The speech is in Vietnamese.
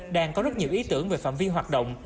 đang có rất nhiều ý tưởng về phạm vi hoạt động